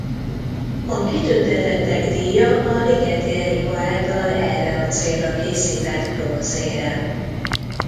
A kitüntetettek díja a Ligeti Erika által erre a célra készített bronzérem.